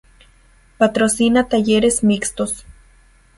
Patrocina talleres mixtos.